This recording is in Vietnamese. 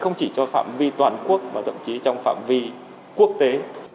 không chỉ cho phạm vi toàn quốc mà thậm chí trong phạm vi quốc tế